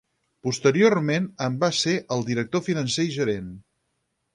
Posteriorment en va ser el director financer i gerent.